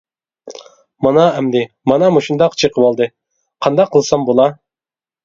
مانا ئەمدى مانا مۇشۇنداق چېقىۋالدى قانداق قىلسام بولا.